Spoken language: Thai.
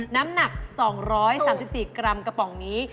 น้ำหนัก๒๓๔กรัมกระป๋องนี้